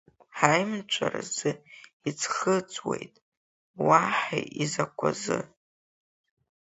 Ҳаимҵәаразы иӡхыҵуеит, уаҳа изакәазы.